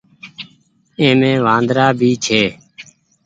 اي مي وآندرآ ڀي ڇي۔